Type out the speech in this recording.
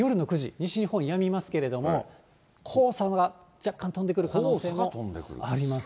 西日本、やみますけれども、黄砂が若干飛んでくる可能性があるので。